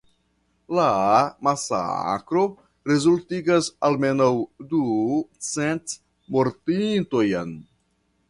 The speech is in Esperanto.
La masakro rezultigas almenaŭ du cent mortintojn.